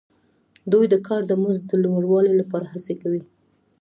دوی د کار د مزد د لوړوالي لپاره هڅې کوي